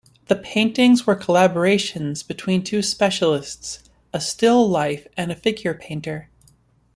The paintings were collaborations between two specialists: a still life and a figure painter.